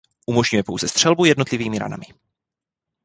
Umožňuje pouze střelbu jednotlivými ranami.